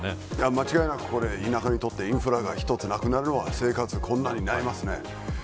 間違いなく田舎にとってインフラがなくなるのは生活困難になりますね。